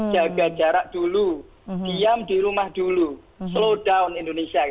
jaga jarak dulu diam di rumah dulu slow down indonesia